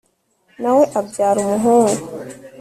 na we abyara umuhungu